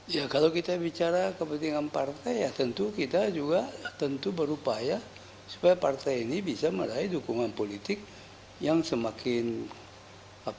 ya kalau kita bicara kepentingan partai ya tentu kita juga tentu berupaya supaya partai ini bisa meraih dukungan politik yang semakin apa